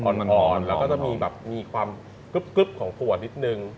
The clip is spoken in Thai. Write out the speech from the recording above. อ่อนแล้วก็จะมีแบบมีความกรึ๊บของถั่วนิดนึง